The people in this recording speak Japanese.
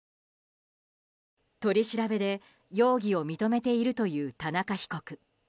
取り調べで容疑を認めているという田中被告。